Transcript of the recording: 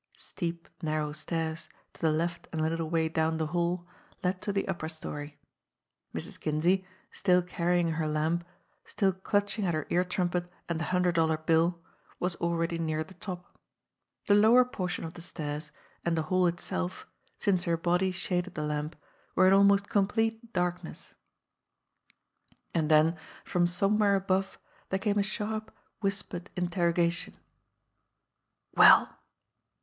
Steep, narrow stairs, to the left and a little way down the hall, led to the upper story. Mrs. Kinsey, still carrying her lamp, still clutching at her ear trumpet and the hundred dollar bill, was already near the top. The lower portion of the stairs and the hall itself, since her body shaded the lamp, were in almost complete darkness. And then from somewhere above there came a sharp, whispered interrogation : "Well?"